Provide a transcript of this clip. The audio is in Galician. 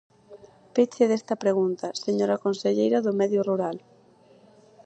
Peche desta pregunta, señora conselleira do Medio Rural.